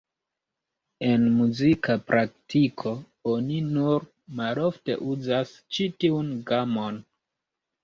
En muzika praktiko oni nur malofte uzas ĉi tiun gamon.